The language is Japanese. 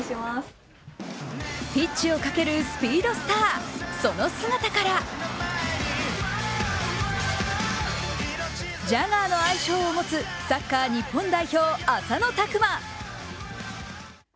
ピッチを駆けるスピードスターその姿からジャガーの愛称を持つ日本代表、浅野拓磨。